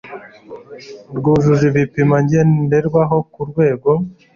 rwujuje ibipimo ngenderwaho ku rwego